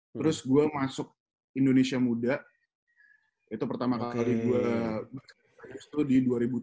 terus gue masuk indonesia muda itu pertama kali gue di dua ribu tujuh